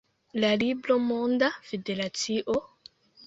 La libro Monda Federacio?